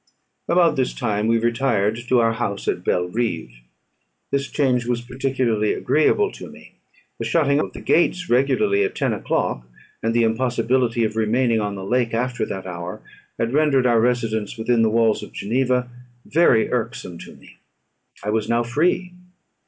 About this time we retired to our house at Belrive. This change was particularly agreeable to me. The shutting of the gates regularly at ten o'clock, and the impossibility of remaining on the lake after that hour, had rendered our residence within the walls of Geneva very irksome to me. I was now free.